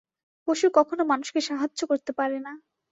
পশু কখনও মানুষকে সাহায্য করতে পারে না।